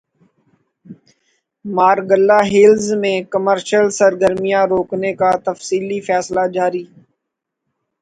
Margalla hills میں commercial سرگرمیاں روکنے کا تفصیلی فیصلہ جاری